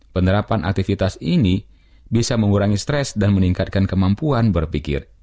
penerapan aktivitas ini bisa mengurangi stres dan meningkatkan kemampuan berpikir